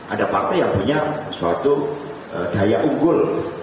ada partai yang punya suatu daya unggul